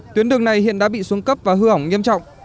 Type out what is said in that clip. tuyến đường này hiện đã bị xuống cấp và hư hỏng nghiêm trọng